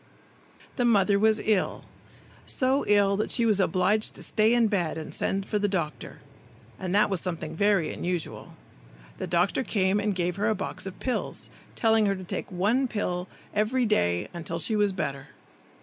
The mother was ill, so ill that she was obliged to stay in bed and send for the doctor, and that was something very unusual. The doctor came and gave her a box of pills, telling her to take one every day until she was better.